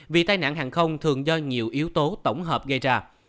vì tai nạn hàng không thường do nhiều yếu tố tổng hợp gây ra